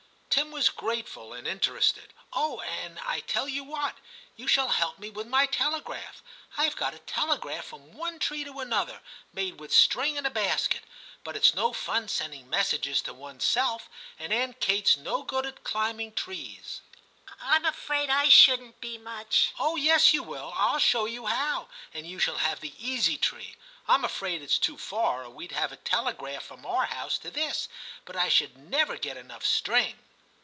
Tim was grateful and interested. ' Oh ! and I tell you what — you shall help me with my telegraph ; I 've got a telegraph from one tree to another, made with string and a basket ; but it's no fun sending messages to oneself, and Aunt Kate's no good at climbing trees.' 46 TIM CHAP. * Tm afraid I shouldn t be much.' ' Oh yes you will ; TU show you how, and you shall have the easy tree. I 'm afraid its too far, or we'd have a telegraph from our house to this, but I should never get enough string.'